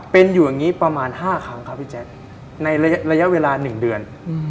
เป็นอยู่อย่างนี้ประมาณ๕ครั้งครับพี่แจ๊คในระยะเวลา๑เดือน